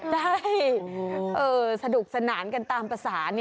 ได้เสร็จแล้วสดุขนาดตามภาษา